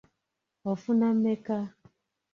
Ofuna mmeka?